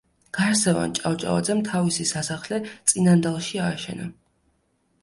გარსევან ჭავჭავაძემ თავისი სასახლე წინანდალში ააშენა.